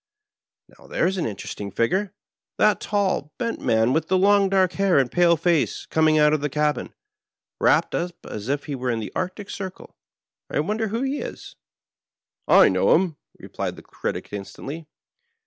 " Now, there's an interesting figure — ^that tall, bent man with the long dark hair and pale face, coming out of the cabin, wrapped up as if we were in the Arctic Circle. I wonder who he is." "I know him," replied the Critic instantly.